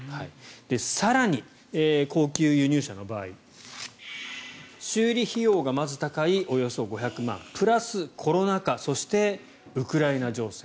更に高級輸入車の場合修理費用がまず高いおよそ５００万円プラス、コロナ禍そしてウクライナ情勢。